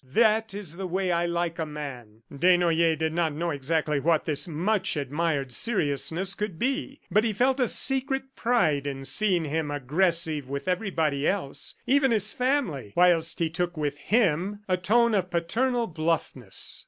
... That is the way I like a man." Desnoyers did not know exactly what this much admired seriousness could be, but he felt a secret pride in seeing him aggressive with everybody else, even his family, whilst he took with him a tone of paternal bluffness.